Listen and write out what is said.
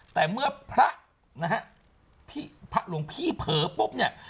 แต่เมื่อพระนะฮะพระหลวงพี่เผลอปุ๊บเนี่ย